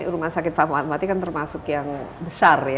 rumah sakit tajik kananfati kan termasuk yang besar